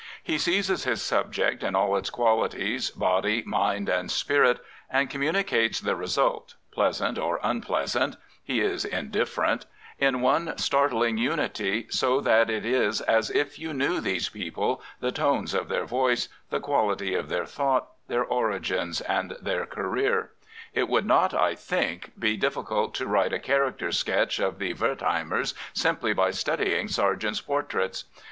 He seizes his subject in all its qualities, body, mind and spirit, and communi cates the result — pleasant or unpleasant: he is in different— in one startling unity, so that it is as if you knew these people, the tones of their voice, the quality of their thought, their origin and their career. It would not, I think, be difficult to write a character sketch of the Wertheimers simply by studying Sargent's portraits.